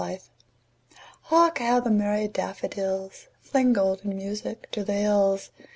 Spring HARK how the merry daffodils, Fling golden music to the hills!